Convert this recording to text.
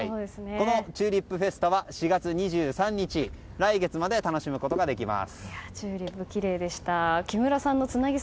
このチューリップフェスタは来月の４月２３日まで楽しむことができます。